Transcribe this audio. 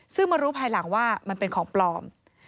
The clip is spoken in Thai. ซึ่งมารู้ภายหลังว่ามันเป็นของปลอม